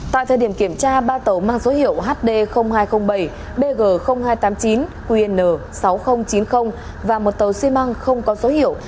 tại thời điểm kiểm tra ba tàu mang số hiệu hd hai trăm linh bảy bg hai trăm tám mươi chín qn sáu nghìn chín mươi và một tàu xi măng không có số hiệu